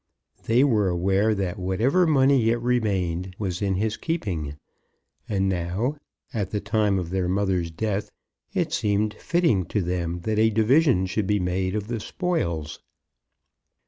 They were aware that whatever money yet remained was in his keeping; and now, as at the time of their mother's death, it seemed fitting to them that a division should be made of the spoils.